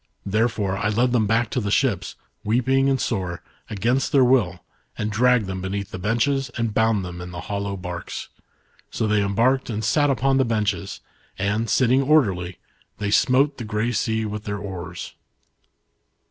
Therefore * I led them back to the ships, weeping and soj e, against their will, and dragged them beneath the benches and bound them in the hollow barks. So they embarked and sat upon the benches, and sit ting orderly, they smote the grey sea with their oars.